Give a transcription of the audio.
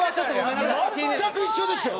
全く一緒でしたよ。